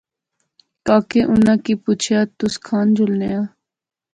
کاکے اُناں کی پُچھیا تس کھان جلنے آ